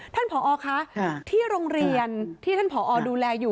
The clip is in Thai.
ผอคะที่โรงเรียนที่ท่านผอดูแลอยู่